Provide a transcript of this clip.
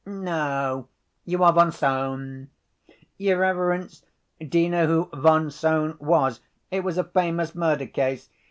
"No, you are von Sohn. Your reverence, do you know who von Sohn was? It was a famous murder case.